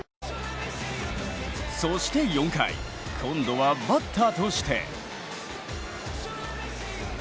そして４回、今度はバッターとして。